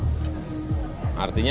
sangat enak ya